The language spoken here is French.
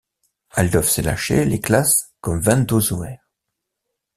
Adolf Seilacher les classe comme Vendozoaires.